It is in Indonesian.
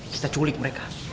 kita culik mereka